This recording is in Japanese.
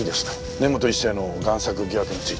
根本一成の贋作疑惑について。